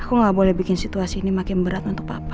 aku nggak boleh bikin situasi ini makin berat untuk apa